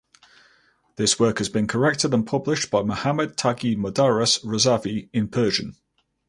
This work has been corrected and published by Mohammad Taghi Modarres Razavi in Persian.